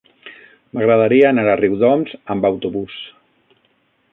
M'agradaria anar a Riudoms amb autobús.